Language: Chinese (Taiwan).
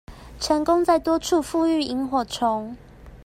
成功在多處復育螢火蟲